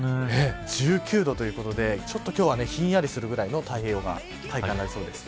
１９度ということで今日はひんやりするぐらいの太平洋側は体感になりそうです。